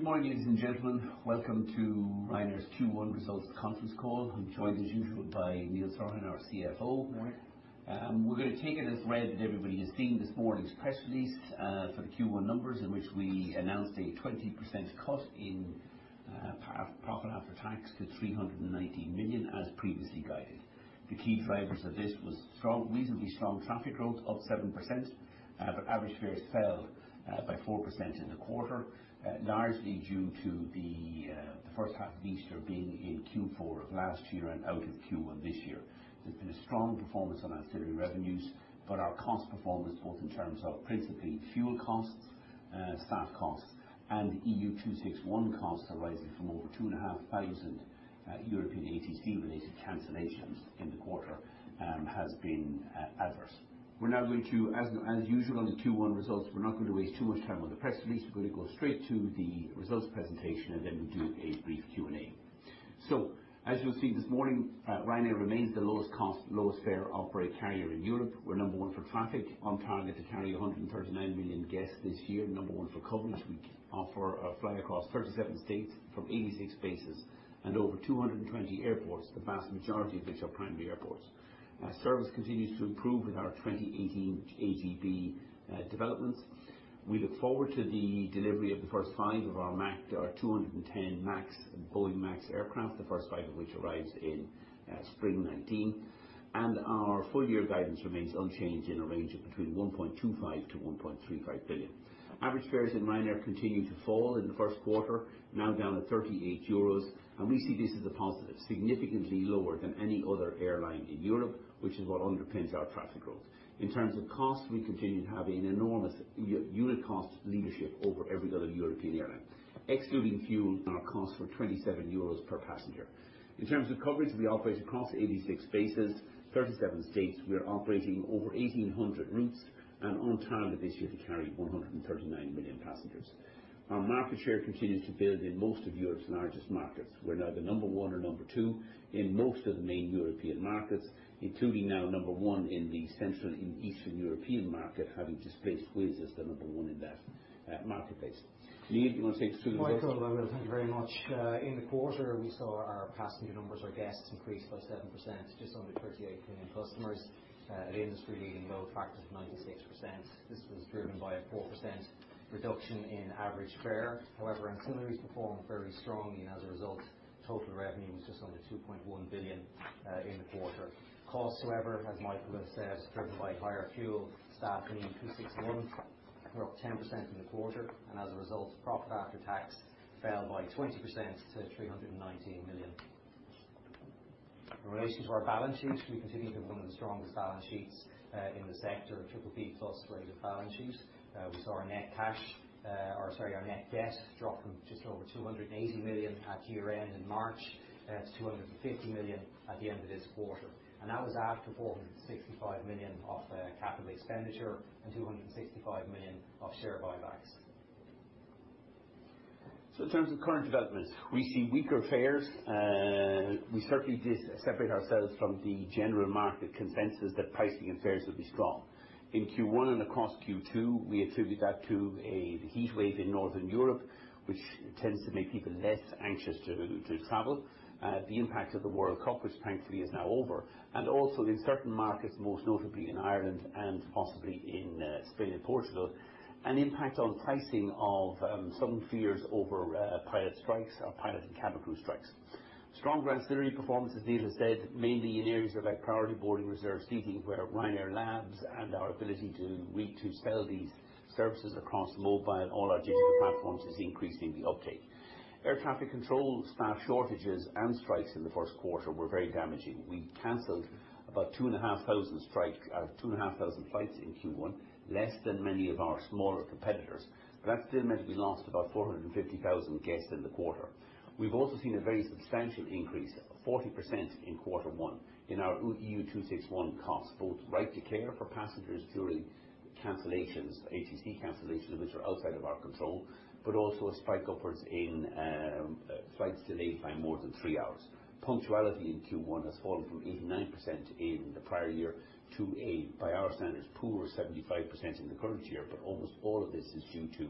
Good morning, ladies and gentlemen. Welcome to Ryanair's Q1 results conference call. I am joined as usual by Neil Sorahan, our CFO. Morning. We are going to take it as read that everybody has seen this morning's press release for the Q1 numbers, in which we announced a 20% cut in profit after tax to 319 million as previously guided. The key drivers of this was reasonably strong traffic growth of 7%. Average fares fell by 4% in the quarter, largely due to the first half of Easter being in Q4 of last year and out in Q1 this year. Our cost performance, both in terms of principally fuel costs, staff costs, and EU Regulation 261/2004 costs arising from over 2,500 European ATC-related cancellations in the quarter, has been adverse. As usual on the Q1 results, we are not going to waste too much time on the press release. We are going to go straight to the results presentation. Then we will do a brief Q&A. As you will see this morning, Ryanair remains the lowest cost, lowest fare operator carrier in Europe. We are number one for traffic. On target to carry 139 million guests this year. Number one for coverage. We fly across 37 states from 86 bases and over 220 airports, the vast majority of which are primary airports. Our service continues to improve with our 2018 Always Getting Better developments. We look forward to the delivery of the first five of our 210 Boeing MAX aircraft, the first five of which arrives in spring 2019, and our full year guidance remains unchanged in a range of between 1.25 billion to 1.35 billion. Average fares in Ryanair continue to fall in the first quarter, now down to 38 euros. We see this as a positive, significantly lower than any other airline in Europe, which is what underpins our traffic growth. In terms of cost, we continue to have an enormous unit cost leadership over every other European airline. Excluding fuel and our cost for 27 euros per passenger. In terms of coverage, we operate across 86 bases, 37 states. We are operating over 1,800 routes and on target this year to carry 139 million passengers. Our market share continues to build in most of Europe's largest markets. We are now the number one or number two in most of the main European markets, including now number one in the Central and Eastern European market, having displaced Wizz as the number one in that marketplace. Neil, you want to take us through the results? Michael, I will. Thank you very much. In the quarter, we saw our passenger numbers, our guests increased by 7%, just under 38 million customers at an industry-leading load factor of 96%. This was driven by a 4% reduction in average fare. However, ancillaries performed very strongly, and as a result, total revenue was just under 2.1 billion in the quarter. Costs, however, as Michael has said, driven by higher fuel, staff, and EU Regulation 261/2004, were up 10% in the quarter, and as a result, profit after tax fell by 20% to 319 million. In relation to our balance sheets, we continue to have one of the strongest balance sheets in the sector, a BBB+ rated balance sheet. We saw our net debt drop from just over 280 million at year-end in March to 250 million at the end of this quarter, and that was after 465 million of capital expenditure and 265 million of share buybacks. In terms of current developments, we see weaker fares. We certainly did separate ourselves from the general market consensus that pricing and fares would be strong. In Q1 and across Q2, we attribute that to a heat wave in Northern Europe, which tends to make people less anxious to travel. The impact of the World Cup, which thankfully is now over, and also in certain markets, most notably in Ireland and possibly in Spain and Portugal, an impact on pricing of some fears over pilot and cabin crew strikes. Strong ancillary performance, as Neil has said, mainly in areas like priority boarding, reserved seating, where Ryanair Labs and our ability to sell these services across mobile, all our digital platforms is increasing the uptake. Air traffic control, staff shortages and strikes in the first quarter were very damaging. We canceled about 2,500 flights in Q1, less than many of our smaller competitors, but that still meant we lost about 450,000 guests in the quarter. We've also seen a very substantial increase of 40% in quarter one in our EU Regulation 261/2004 costs, both right to care for passengers during ATC cancellations, which are outside of our control, but also a spike upwards in flights delayed by more than three hours. Punctuality in Q1 has fallen from 89% in the prior year to a, by our standards, poor 75% in the current year, but almost all of this is due to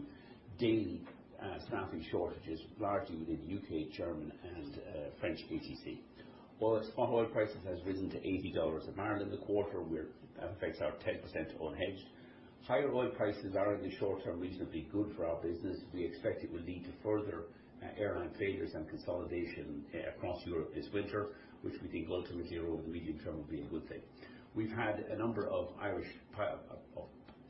daily staffing shortages, largely within U.K., German, and French ATC. Spot oil prices has risen to $80 a barrel in the quarter, which affects our 10% unhedged. Higher oil prices are in the short term reasonably good for our business. We expect it will lead to further airline failures and consolidation across Europe this winter, which we think ultimately over the medium term will be a good thing. We've had a number of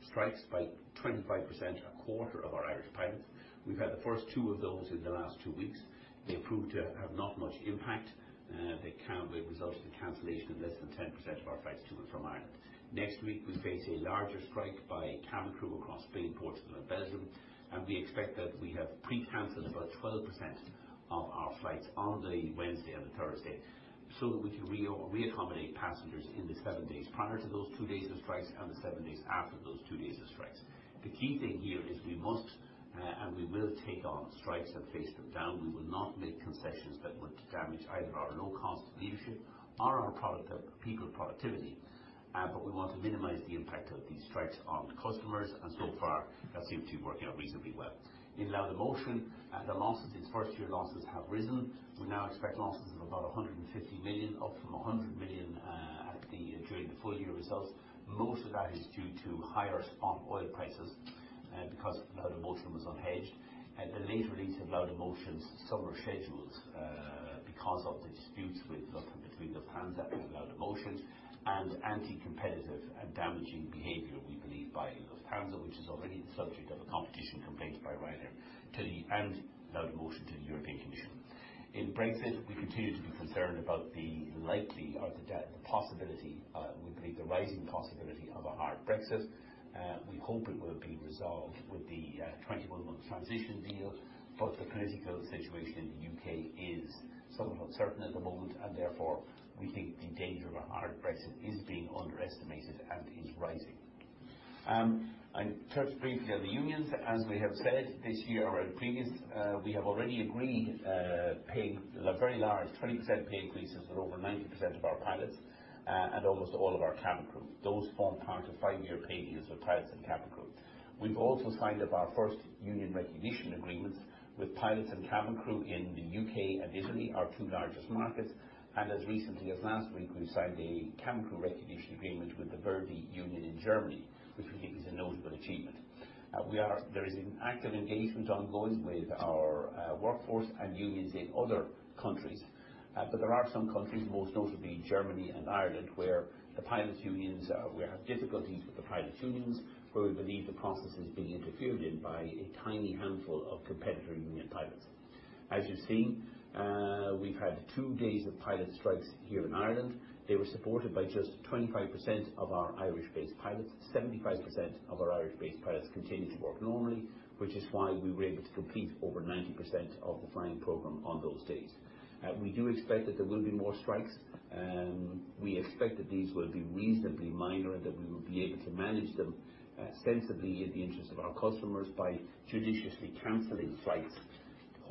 strikes by 25%, a quarter of our Irish pilots. We've had the first two of those in the last two weeks. They proved to have not much impact. They resulted in cancellation of less than 10% of our flights to and from Ireland. Next week, we face a larger strike by cabin crew across Spain, Portugal, and Belgium, we expect that we have pre-canceled about 12% of our flights on the Wednesday and the Thursday so that we can re-accommodate passengers in the seven days prior to those two days of strikes and the seven days after those two days of strikes. The key thing here is we must and we will take on strikes and face them down. We will not make concessions that would damage either our low cost leadership or our people productivity, we want to minimize the impact of these strikes on customers, and so far, that seems to be working out reasonably well. In Laudamotion, the losses, its first year losses have risen. We now expect losses of about 150 million, up from 100 million during the full year results. Most of that is due to higher spot oil prices because Laudamotion was unhedged, the late release of Laudamotion's summer schedules because of the disputes between Lufthansa and Laudamotion, and anti-competitive and damaging behavior, we believe, by Lufthansa, which is already the subject of a competition complaint by Ryanair and Laudamotion to the European Commission. In Brexit, we continue to be concerned about the rising possibility of a hard Brexit. We hope it will be resolved with the 21-month transition deal, the political situation in the U.K. is somewhat uncertain at the moment, therefore, we think the danger of a hard Brexit is being underestimated and is rising. I'll touch briefly on the unions. As we have said this year or in previous, we have already agreed very large 20% pay increases with over 90% of our pilots and almost all of our cabin crew. Those form part of five-year pay deals with pilots and cabin crew. We've also signed up our first union recognition agreements with pilots and cabin crew in the U.K. and Italy, our two largest markets. As recently as last week, we signed a cabin crew recognition agreement with the ver.di Union in Germany, which we think is a notable achievement. There is an active engagement ongoing with our workforce and unions in other countries. There are some countries, most notably Germany and Ireland, where we have difficulties with the pilots unions, where we believe the process is being interfered in by a tiny handful of competitor union pilots. As you've seen, we've had two days of pilot strikes here in Ireland. They were supported by just 25% of our Irish-based pilots. 75% of our Irish-based pilots continued to work normally, which is why we were able to complete over 90% of the flying program on those days. We do expect that there will be more strikes. We expect that these will be reasonably minor and that we will be able to manage them sensibly in the interest of our customers by judiciously canceling flights,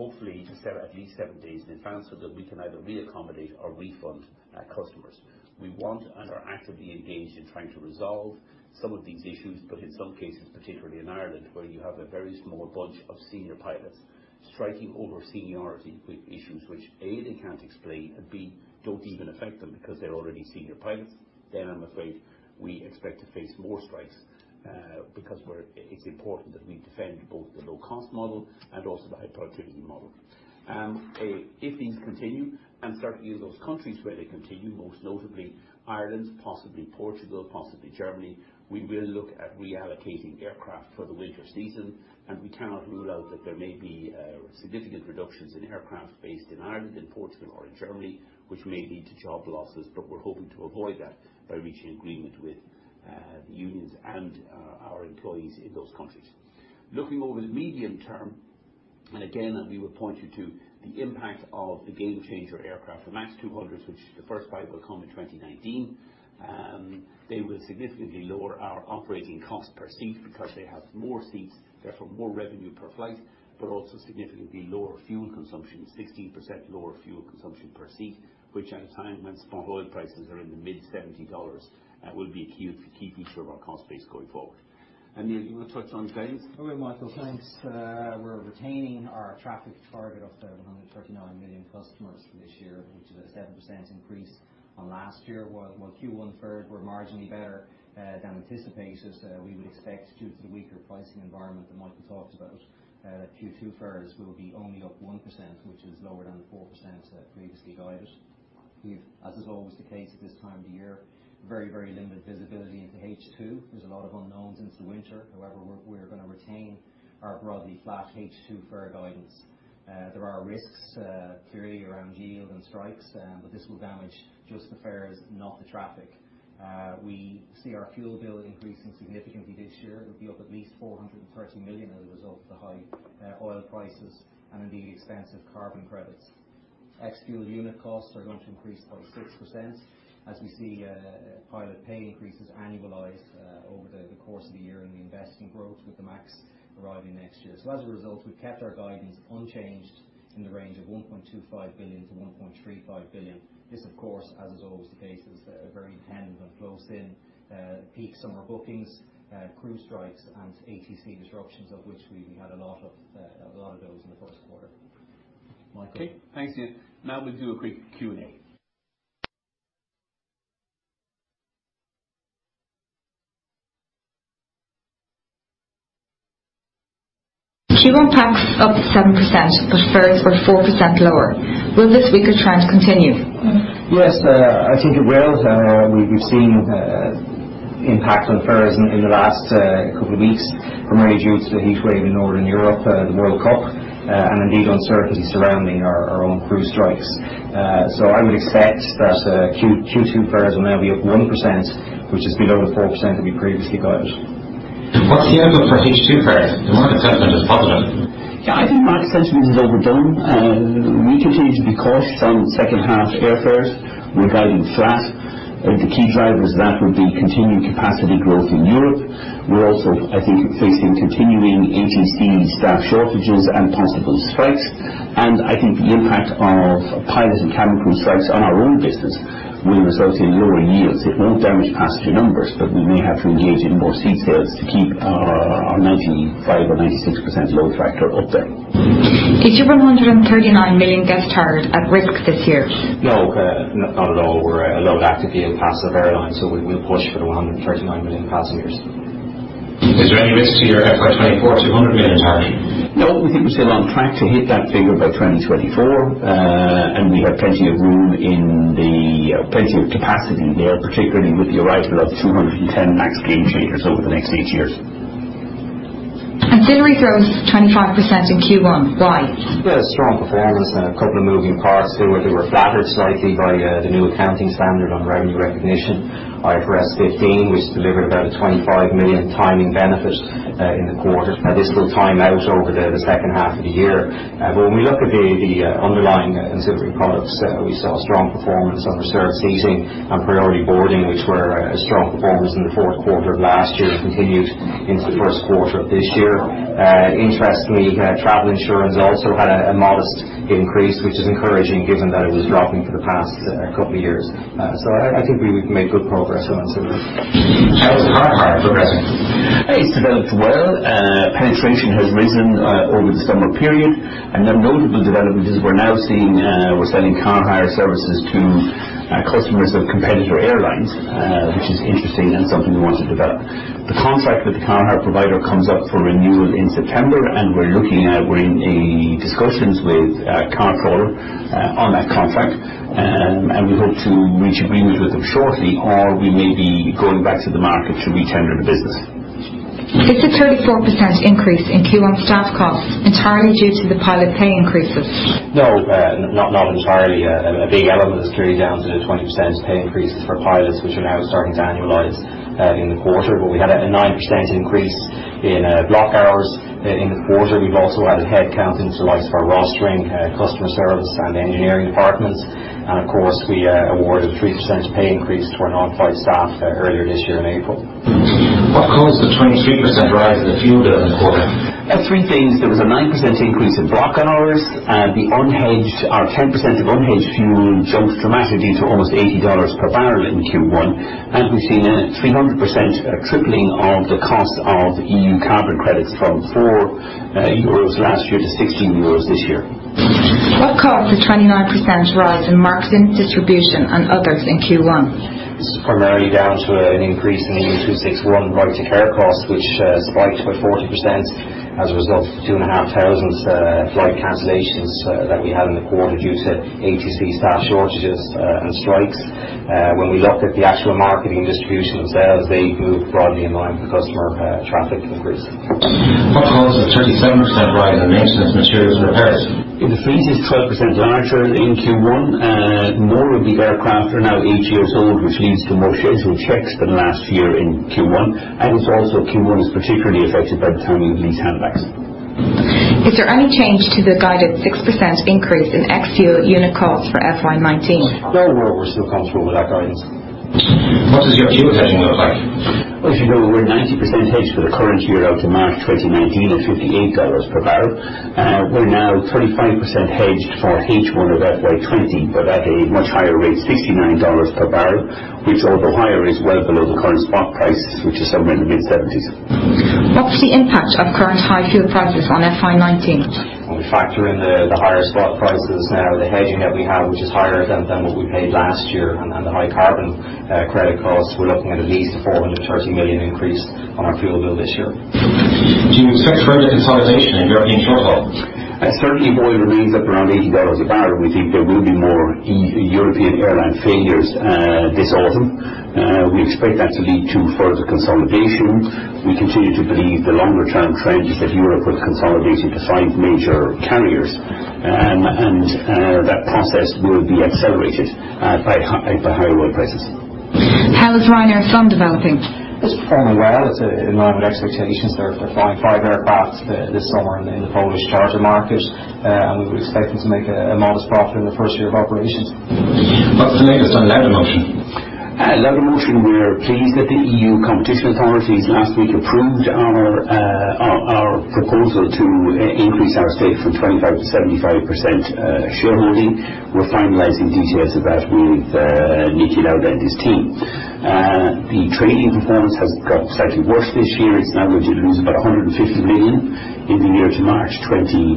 hopefully to set at least seven days in advance so that we can either re-accommodate or refund our customers. We want and are actively engaged in trying to resolve some of these issues, but in some cases, particularly in Ireland, where you have a very small bunch of senior pilots striking over seniority with issues which, A, they can't explain, and B, don't even affect them because they're already senior pilots. I'm afraid we expect to face more strikes because it's important that we defend both the low-cost model and also the high productivity model. If these continue, certainly in those countries where they continue, most notably Ireland, possibly Portugal, possibly Germany, we will look at reallocating aircraft for the winter season, and we cannot rule out that there may be significant reductions in aircraft based in Ireland, in Portugal, or in Germany, which may lead to job losses. We're hoping to avoid that by reaching agreement with the unions and our employees in those countries. Looking over the medium term, again, we would point you to the impact of the game changer aircraft, the MAX 200s, which the first flight will come in 2019. They will significantly lower our operating cost per seat because they have more seats, therefore more revenue per flight, but also significantly lower fuel consumption, 16% lower fuel consumption per seat, which at a time when spot oil prices are in the mid-$70 will be a key feature of our cost base going forward. Neil, you want to touch on guidance? Okay, Michael. Thanks. We're retaining our traffic target of 139 million customers for this year, which is a 7% increase on last year. While Q1 fares were marginally better than anticipated, we would expect due to the weaker pricing environment that Michael talked about, Q2 fares will be only up 1%, which is lower than the 4% previously guided. As is always the case at this time of the year, very limited visibility into H2. There's a lot of unknowns into winter. However, we're going to retain our broadly flat H2 fare guidance. There are risks clearly around yield and strikes, but this will damage just the fares, not the traffic. We see our fuel bill increasing significantly this year. It will be up at least 430 million as a result of the high oil prices and indeed the expensive carbon credits. Ex fuel unit costs are going to increase by 6% as we see pilot pay increases annualize over the course of the year and the investing growth with the MAX arriving next year. As a result, we've kept our guidance unchanged in the range of 1.25 billion-1.35 billion. This, of course, as is always the case, is very dependent on close in peak summer bookings, crew strikes, and ATC disruptions, of which we had a lot of those in the first quarter. Michael? Okay. Thanks, Neil. We'll do a quick Q&A. Q1 PAT up 7%, fares were 4% lower. Will this weaker trend continue? Yes, I think it will. We've seen impact on fares in the last couple of weeks, primarily due to the heat wave in Northern Europe, the World Cup, and indeed uncertainty surrounding our own crew strikes. I would expect that Q2 fares will now be up 1%, which is below the 4% that we previously guided. What's the outlook for H2 fares? The market sentiment is positive. Yeah, I think market sentiment is overdone. We continue to be cautious on second half airfares. We're guiding flat. The key drivers of that would be continued capacity growth in Europe. We're also, I think, facing continuing agency staff shortages and possible strikes. I think the impact of pilot and cabin crew strikes on our own business will result in lower yields. It won't damage passenger numbers, but we may have to engage in more seat sales to keep our 95%-96% load factor up there. Is your 139 million guest target at risk this year? No, not at all. We're a low active yield passive airline, we will push for the 139 million passengers. Is there any risk to your FY 2024 200 million target? No, we think we're still on track to hit that figure by 2024, and we have plenty of room in the plenty of capacity there, particularly with the arrival of 210 MAX game changers over the next eight years. Ancillary growth 25% in Q1. Why? Yeah. Strong performance and a couple of moving parts there where they were flattered slightly by the new accounting standard on revenue recognition, IFRS 15, which delivered about a 25 million timing benefit in the quarter. This will time out over the second half of the year. When we look at the underlying ancillary products, we saw strong performance on reserved seating and priority boarding, which were a strong performance in the fourth quarter of last year, continued into the first quarter of this year. Interestingly, travel insurance also had a modest increase, which is encouraging given that it was dropping for the past couple of years. I think we've made good progress on ancillary. How is car hire progressing? It's developed well. Penetration has risen over this summer period. A notable development is we're selling car hire services to customers of competitor airlines, which is interesting and something we want to develop. The contract with the car hire provider comes up for renewal in September. We're in discussions with CarTrawler on that contract. We hope to reach agreement with them shortly or we may be going back to the market to re-tender the business. Is the 34% increase in Q1 staff costs entirely due to the pilot pay increases? No, not entirely. A big element is clearly down to the 20% pay increases for pilots, which are now starting to annualize in the quarter. We had a 9% increase in block hours in the quarter. We've also added headcount into the likes of our rostering, customer service, and engineering departments. Of course, we awarded 3% pay increase to our non-flight staff earlier this year in April. What caused the 23% rise in the fuel bill in the quarter? Three things. There was a 9% increase in block hours. Our 10% of unhedged fuel jumped dramatically to almost $80 per barrel in Q1. We've seen a 300% tripling of the cost of EU carbon credits from 4 euros last year to 16 euros this year. What caused the 29% rise in marketing distribution and others in Q1? It's primarily down to an increase in the EU261 right to care cost, which spiked by 40% as a result of 2,500 flight cancellations that we had in the quarter due to ATC staff shortages and strikes. When we looked at the actual marketing distribution themselves, they moved broadly in line with the customer traffic increase. What caused the 37% rise in maintenance materials and repairs? The fleet is 12% larger in Q1. More of the aircraft are now eight years old, which leads to more scheduled checks than last year in Q1. It's also Q1 is particularly affected by the timing of these handbacks. Is there any change to the guided 6% increase in ex-fuel unit cost for FY 2019? No. We're still comfortable with that guidance. What does your fuel hedging look like? Well, as you know, we're 90% hedged for the current year out to March 2019 at $58 per barrel. We're now 35% hedged for H1 of FY 2020, but at a much higher rate, $69 per barrel, which although higher, is well below the current spot price, which is somewhere in the mid-$70s. What's the impact of current high fuel prices on FY 2019? When we factor in the higher spot prices now, the hedging that we have, which is higher than what we paid last year, and the high carbon credit costs, we're looking at at least a 430 million increase on our fuel bill this year. Do you expect further consolidation in European short-haul? Certainly oil remains up around $80 a barrel, and we think there will be more European airline failures this autumn. We expect that to lead to further consolidation. We continue to believe the longer-term trend is that Europe will consolidate to five major carriers, and that process will be accelerated by the higher oil prices. How is Ryanair Sun developing? It's performing well. It's in line with expectations. They're flying five aircraft this summer in the Polish charter market, and we would expect them to make a modest profit in the first year of operations. What's the latest on Laudamotion? Laudamotion, we're pleased that the EU competition authorities last week approved our proposal to increase our stake from 25% to 75% shareholding. We're finalizing details of that with Niki Lauda and his team. The trading performance has got slightly worse this year. It's now going to lose about 150 million in the year to March 2019,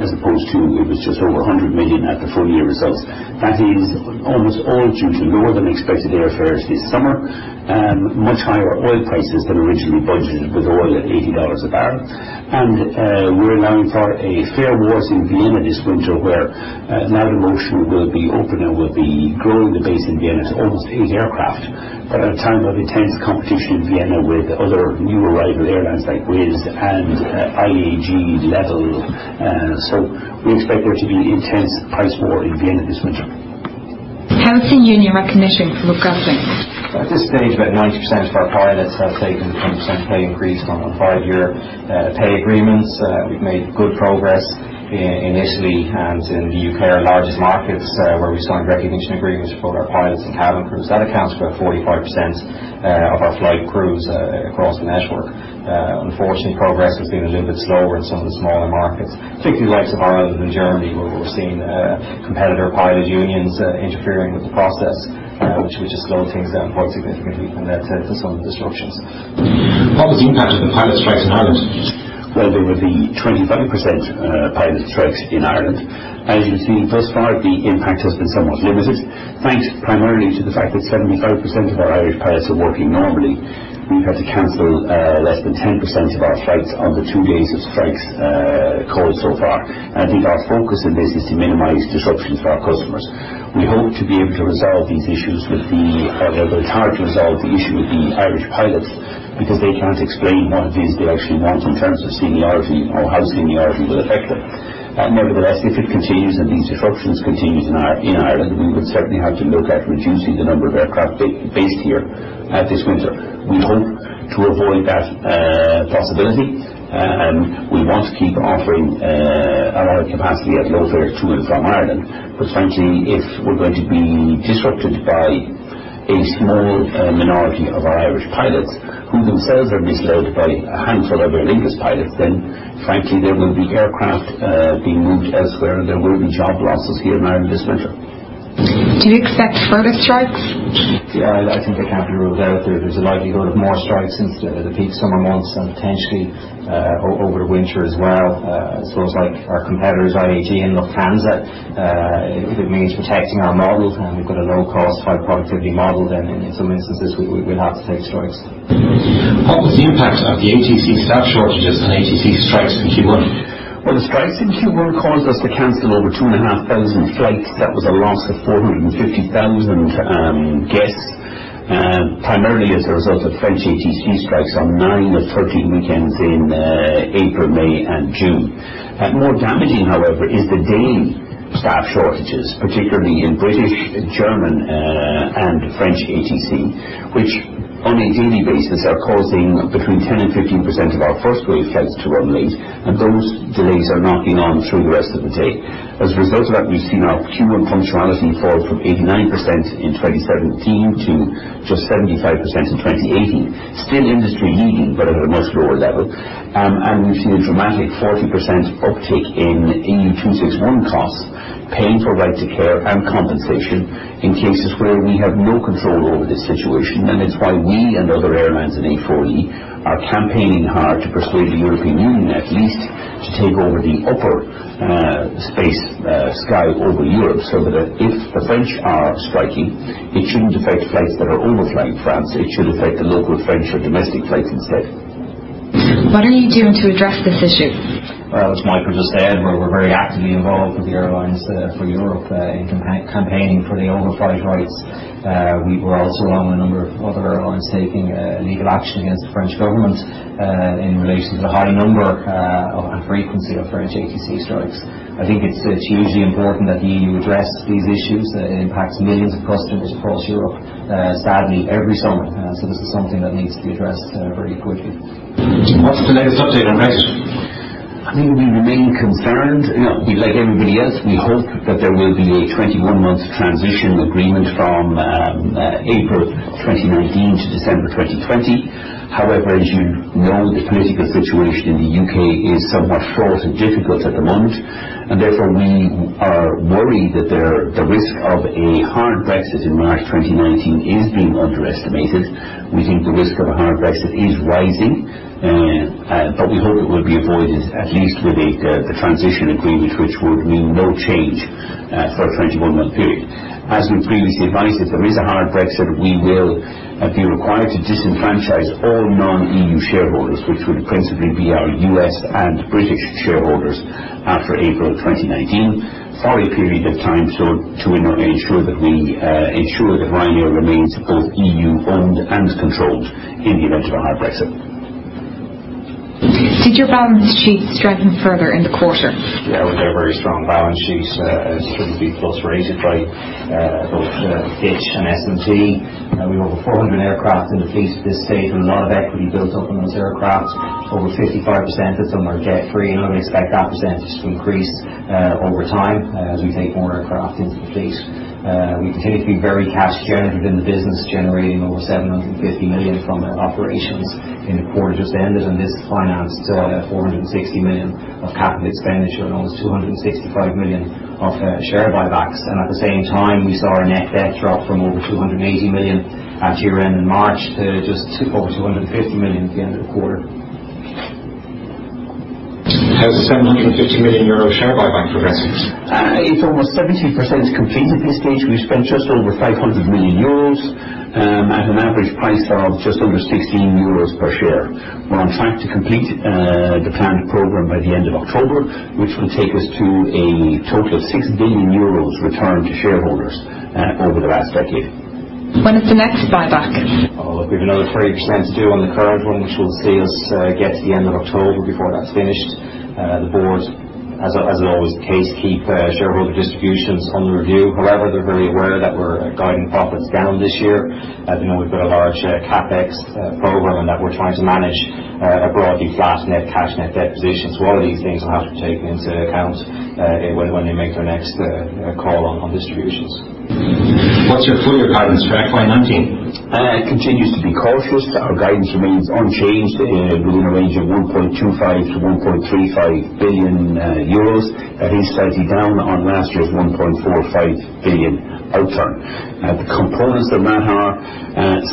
as opposed to it was just over 100 million at the full-year results. That is almost all due to lower-than-expected airfares this summer and much higher oil prices than originally budgeted with oil at $80 a barrel. We're allowing for a fare wars in Vienna this winter, where Laudamotion will be open and will be growing the base in Vienna to almost eight aircraft. At a time of intense competition in Vienna with other new arrival airlines like Wizz and IAG Level. We expect there to be intense price war in Vienna this winter. How is the union recognition progress going? At this stage, about 90% of our pilots have taken 20% pay increase on a five-year pay agreements. We've made good progress in Italy and in the U.K., our largest markets, where we've signed recognition agreements for both our pilots and cabin crews. That accounts for about 45% of our flight crews across the network. Unfortunately, progress has been a little bit slower in some of the smaller markets, particularly the likes of Ireland and Germany, where we're seeing competitor pilot unions interfering with the process, which has slowed things down quite significantly and led to some disruptions. What was the impact of the pilot strikes in Ireland? Well, there will be 25% pilot strikes in Ireland. As you've seen thus far, the impact has been somewhat limited, thanks primarily to the fact that 75% of our Irish pilots are working normally. We've had to cancel less than 10% of our flights on the two days of strikes called so far. I think our focus in this is to minimize disruptions for our customers. We hope to be able to resolve these issues. Or rather, it's hard to resolve the issue with the Irish pilots because they can't explain what it is they actually want in terms of seniority or how seniority will affect them. Nevertheless, if it continues, and these disruptions continue in Ireland, we would certainly have to look at reducing the number of aircraft based here this winter. We hope to avoid that possibility. We want to keep offering a lot of capacity at low fare to and from Ireland. Frankly, if we're going to be disrupted by a small minority of our Irish pilots, who themselves are misled by a handful of Aer Lingus pilots, frankly, there will be aircraft being moved elsewhere. There will be job losses here in Ireland this winter. Do you expect further strikes? I think they can't be ruled out. There's a likelihood of more strikes into the peak summer months and potentially over winter as well. It's like our competitors, IAG and Lufthansa. If it means protecting our models, and we've got a low-cost, high-productivity model, then in some instances, we'll have to take strikes. What was the impact of the ATC staff shortages and ATC strikes in Q1? The strikes in Q1 caused us to cancel over 2,500 flights. That was a loss of 450,000 guests, primarily as a result of French ATC strikes on nine of 13 weekends in April, May, and June. More damaging, however, is the daily staff shortages, particularly in British, German, and French ATC, which on a daily basis are causing between 10% and 15% of our first-wave flights to run late, and those delays are knocking on through the rest of the day. As a result of that, we've seen our Q1 punctuality fall from 89% in 2017 to just 75% in 2018. Still industry-leading, but at a much lower level. We've seen a dramatic 40% uptick in EU261 costs, paying for right to care and compensation in cases where we have no control over the situation. It's why we and other airlines in A4E are campaigning hard to persuade the European Union at least to take over the upper space sky over Europe, so that if the French are striking, it shouldn't affect flights that are overflying France. It should affect the local French or domestic flights instead. What are you doing to address this issue? Well, as Michael just said, we're very actively involved with the Airlines for Europe in campaigning for the overflight rights. We were also, along with a number of other airlines, taking legal action against the French government, in relation to the high number and frequency of French ATC strikes. I think it's hugely important that the EU address these issues. It impacts millions of customers across Europe, sadly every summer. This is something that needs to be addressed very quickly. What's the latest update on Brexit? I think we remain concerned. Like everybody else, we hope that there will be a 21-month transition agreement from April 2019 to December 2020. As you know, the political situation in the U.K. is somewhat fraught and difficult at the moment, and therefore, we are worried that the risk of a hard Brexit in March 2019 is being underestimated. We think the risk of a hard Brexit is rising, we hope it will be avoided, at least with the transition agreement, which would mean no change for a 21-month period. As we've previously advised, if there is a hard Brexit, we will be required to disenfranchise all non-EU shareholders, which would principally be our U.S. and British shareholders after April 2019 for a period of time so to ensure that we ensure that Ryanair remains both EU-owned and controlled in the event of a hard Brexit. Did your balance sheet strengthen further in the quarter? Yeah, we've got a very strong balance sheet as currently plus rated by both Fitch and S&P. We have over 400 aircraft in the fleet at this stage, and a lot of equity built up in those aircraft. Over 55% of them are debt-free, and we expect that percentage to increase over time as we take more aircraft into the fleet. We continue to be very cash generative in the business, generating over 750 million from our operations in the quarter just ended, this financed 460 million of capital expenditure and almost 265 million of share buybacks. At the same time, we saw our net debt drop from over 280 million at year-end in March to just over 250 million at the end of the quarter. How's the 750 million euro share buyback progressing? It's almost 70% complete at this stage. We've spent just over 500 million euros at an average price of just under 16 euros per share. We're on track to complete the planned program by the end of October, which will take us to a total of 6 billion euros returned to shareholders over the last decade. When is the next buyback? We have another 30% to do on the current one, which will see us get to the end of October before that's finished. The board, as is always the case, keep shareholder distributions under review. However, they're very aware that we're guiding profits down this year. They know we've got a large CapEx program and that we're trying to manage a broadly flat net cash, net debt position. All of these things will have to be taken into account when they make their next call on distributions. What's your full-year guidance for FY 2019? Continues to be cautious. Our guidance remains unchanged within a range of 1.25 billion-1.35 billion euros. That is slightly down on last year's 1.45 billion return. The components of that are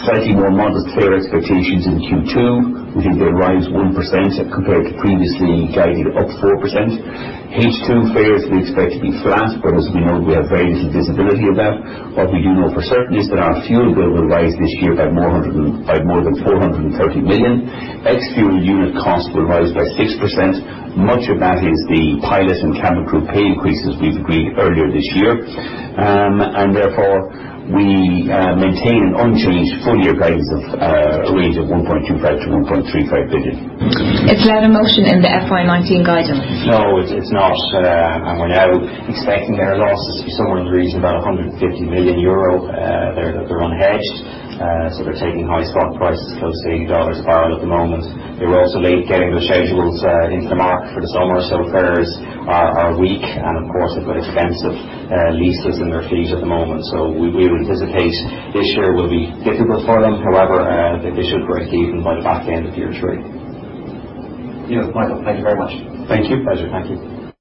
slightly more modest fare expectations in Q2. We think they'll rise 1% compared to previously guided up 4%. H2 fares we expect to be flat, as we know, we have very little visibility of that. What we do know for certain is that our fuel bill will rise this year by more than 430 million. Ex-fuel unit cost will rise by 6%. Much of that is the pilot and cabin crew pay increases we've agreed earlier this year. Therefore, we maintain an unchanged full-year guidance of a range of 1.25 billion-1.35 billion. Is Laudamotion in the FY 2019 guidance? No, it's not. We're now expecting their losses somewhere in the region of about 150 million euro. They're unhedged, so they're taking high spot prices, close to 80 dollars a barrel at the moment. They were also late getting the schedules into the market for the summer, so fares are weak. Of course, they've got expensive leases in their fleet at the moment. We would anticipate this year will be difficult for them. However, they should break even by the back end of year three. Michael, thank you very much. Thank you. Pleasure. Thank you.